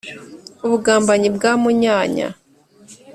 - ubugambanyi bwa munyanya.